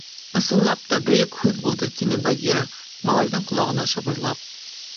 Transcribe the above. — Ысынлап та Бөйөк һүҙ булды, — тине Багира, малайҙың ҡолағына шыбырлап.